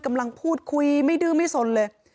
กำลังพูดคุยไม่ดื้อไม่สนเลย